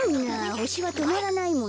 ほしはとまらないもんね。